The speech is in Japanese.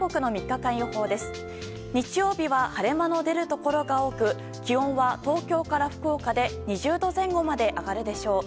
日曜日は晴れ間の出るところが多く気温は東京から福岡で２０度前後まで上がるでしょう。